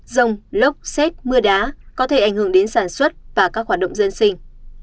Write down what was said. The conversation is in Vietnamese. rông lốc xét mưa đá có thể ảnh hưởng đến sản xuất và các hoạt động dân sinh